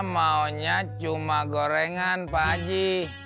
maunya cuma gorengan pak haji